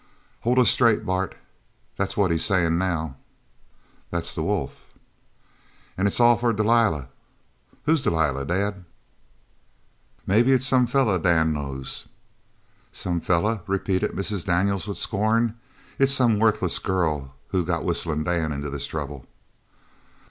"'Hold us straight, Bart!' That's what he's sayin' now." "That's the wolf." "'An' it's all for Delilah!' Who's Delilah, Dad?" "Maybe it's some feller Dan knows." "Some feller?" repeated Mrs. Daniels with scorn. "It's some worthless girl who got Whistlin' Dan into this trouble."